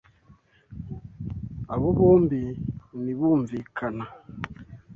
Abo bombi ntibumvikana.